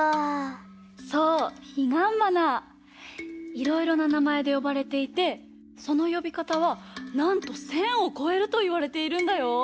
いろいろななまえでよばれていてそのよびかたはなんと１，０００をこえるといわれているんだよ。